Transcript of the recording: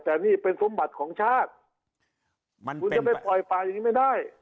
แต่นี่เป็นสมบัติของชาติมันคุณจะไปปล่อยป่าอย่างนี้ไม่ได้